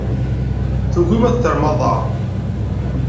Tugim ad terrem aḍar?